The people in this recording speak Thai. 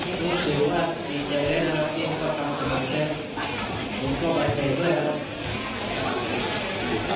พวกเราเป็นความสุขของคุณท้ายกับคุณท้ายของเรา